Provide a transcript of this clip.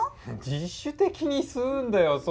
自主的に吸うんだよ